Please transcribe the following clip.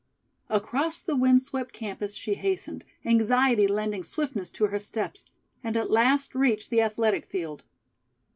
Across the wind swept campus she hastened, anxiety lending swiftness to her steps, and at last reached the Athletic Field.